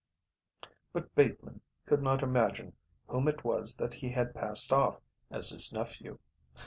But Bateman could not imagine whom it was that he passed off as his nephew.